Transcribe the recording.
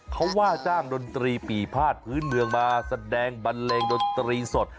เขาว่าจ้างดนตรีปีภาษพื้นเมืองมาแสดงบันเลงดนตรีสด